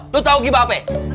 lo tau gibah apa ya